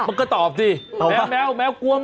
มันก็ตอบสิแมวแมวแมวกลัว